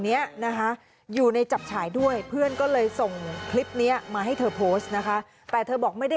เนี้ยนะคะอยู่ในจับฉายด้วยเพื่อนก็เลยส่งคลิปนี้มาให้เธอโพสต์นะคะแต่เธอบอกไม่ได้